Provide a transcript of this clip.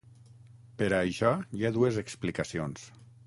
Per a això hi ha dues explicacions.